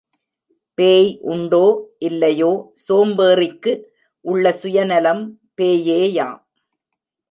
பேய் உண்டோ, இல்லையோ சோம்பேறிக்கு உள்ள சுயநலம் பேயேயாம்.